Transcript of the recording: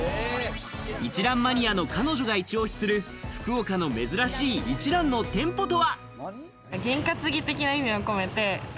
一蘭マニアの彼女がおすすめする福岡の珍しい店舗とは？